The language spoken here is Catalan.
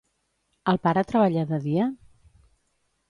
El pare treballa de dia?